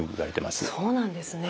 そうなんですね。